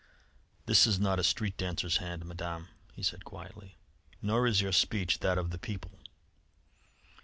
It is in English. "This is not a street dancer's hand; Madame," he said quietly. "Nor is your speech that of the people."